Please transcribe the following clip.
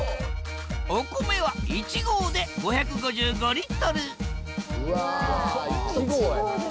お米は１合で５５５リットル１合で！